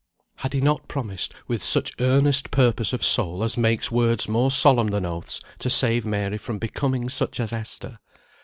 Had he not promised with such earnest purpose of soul, as makes words more solemn than oaths, to save Mary from becoming such as Esther?